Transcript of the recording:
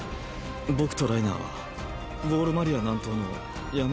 僕とライナーはウォール・マリア南東の山奥の村出身なんだ。